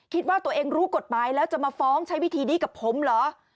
คิดว่าตัวเองรู้กฎหมายแล้วจะมาฟ้องใช้วิธีนี้กับผมเหรอ